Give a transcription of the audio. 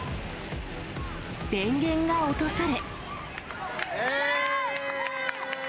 電源が落とされ。